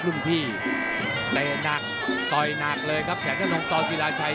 บรึงพี่แต่นั่งต่อยนักเลยครับแสนสองต่อศิลาชัย